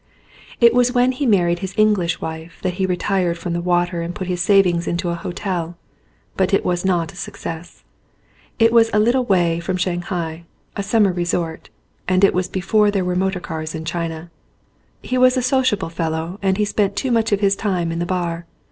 It was when he married his English wife that he retired from the water and put his savings into a hotel. But it was not a success. It was a little way from Shanghai, a summer resort, and it was before there were motor cars in China. He was a sociable fellow and he spent too much of his time in the bar.